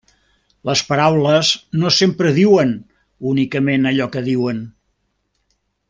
Les paraules no sempre diuen únicament allò que diuen.